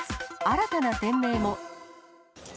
新たな店名も。